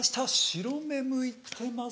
白目むいてます。